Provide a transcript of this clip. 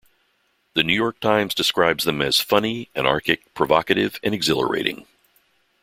The New York Times describes them as funny, anarchic, provocative and exhilarating.